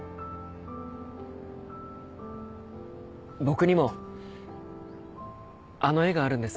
僕にもあの絵があるんです。